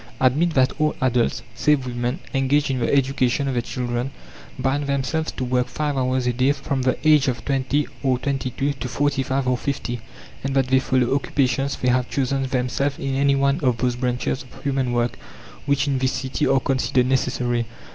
Admit that all adults, save women, engaged in the education of their children, bind themselves to work 5 hours a day from the age of twenty or twenty two to forty five or fifty, and that they follow occupations they have chosen themselves in any one of those branches of human work which in this city are considered necessary.